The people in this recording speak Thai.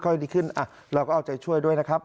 เราก็เอาใจช่วยด้วยนะครับ